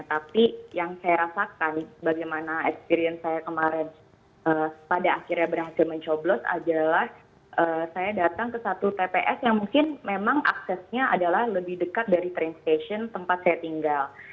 tapi yang saya rasakan bagaimana experience saya kemarin pada akhirnya berhasil mencoblos adalah saya datang ke satu tps yang mungkin memang aksesnya adalah lebih dekat dari transpation tempat saya tinggal